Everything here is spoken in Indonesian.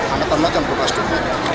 angkatan laut yang berkelas dunia